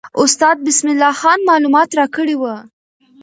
استاد بسم الله خان معلومات راکړي وو.